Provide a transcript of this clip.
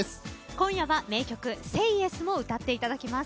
今夜は名曲「ＳＡＹＹＥＳ」も歌っていただきます。